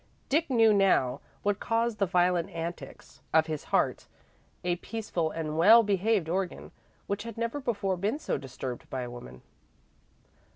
Dick knew now what caused the violent antics of his heart a peaceful and well behaved organ which had never before been so disturbed by a woman.